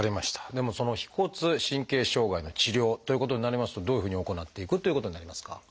でもその腓骨神経障害の治療ということになりますとどういうふうに行っていくということになりますか？